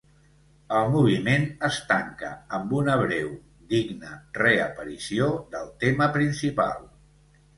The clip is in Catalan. El moviment es tanca amb una breu, digna reaparició del tema principal.